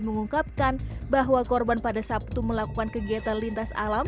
mengungkapkan bahwa korban pada sabtu melakukan kegiatan lintas alam